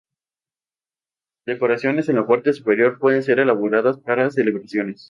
Decoraciones en la parte superior pueden ser elaboradas para celebraciones.